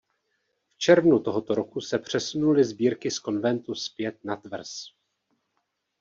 V červnu tohoto roku se přesunuly sbírky z Konventu zpět na Tvrz.